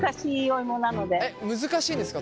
難しいんですか？